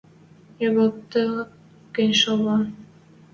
Йогалтат гӹнь шалвлӓ